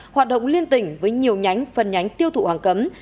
thống liên tỉnh với nhiều nhánh phần nhánh tiêu thụ hoàng cấm